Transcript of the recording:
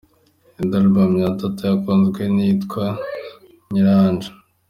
Indi album ya Matata yakunzwe n’iyitwa “Nyaranja ”.